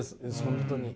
本当に。